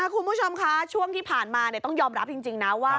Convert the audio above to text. คุณผู้ชมคะช่วงที่ผ่านมาต้องยอมรับจริงนะว่า